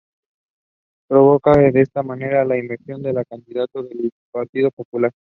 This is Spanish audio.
Provocaron de esta manera la investidura del candidato del Partido Popular.